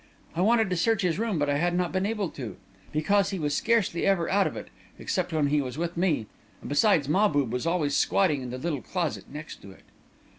I wanted to search his room, but I had not been able to, because he was scarcely ever out of it, except when he was with me; and, besides, Mahbub was always squatting in the little closet next to it.